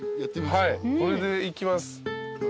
はいこれでいきます。